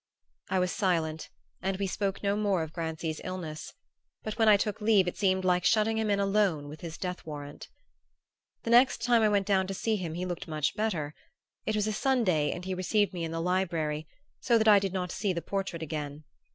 I was silent and we spoke no more of Grancy's illness; but when I took leave it seemed like shutting him in alone with his death warrant. The next time I went down to see him he looked much better. It was a Sunday and he received me in the library, so that I did not see the portrait again.